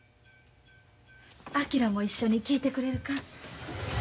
昭も一緒に聞いてくれるか。